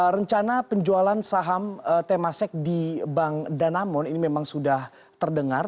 rencana penjualan saham temasek di bank danamon ini memang sudah terdengar